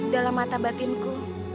dalam mata batinku